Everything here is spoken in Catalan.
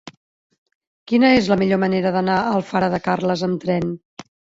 Quina és la millor manera d'anar a Alfara de Carles amb tren?